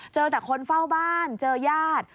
เจอแต่คนเฝ้าบ้านเจอญาติ